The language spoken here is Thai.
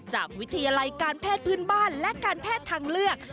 จากวิทยาลัยการแพทย์พื้นบ้านและการแพทย์ทางเลือก